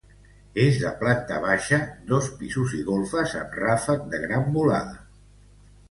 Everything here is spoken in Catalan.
És de planta baixa, dos pisos i golfes, amb ràfec de gran volada.